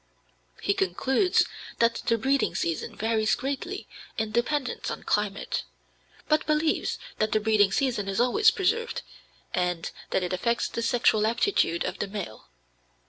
He concludes that the breeding season varies greatly in dependence on climate, but believes that the breeding season is always preserved, and that it affects the sexual aptitude of the male.